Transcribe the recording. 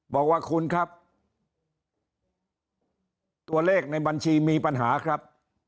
บอกว่าคุณครับตัวเลขในบัญชีมีปัญหาครับ